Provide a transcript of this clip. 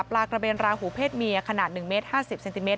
ปลากระเบนราหูเพศเมียขนาด๑เมตร๕๐เซนติเมต